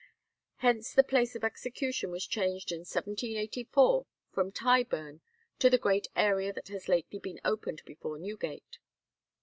Hence the place of execution was changed in 1784 from "Tyburn to the great area that has lately been opened before Newgate."